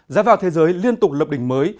giá vào thế giới liên tục lập đỉnh mới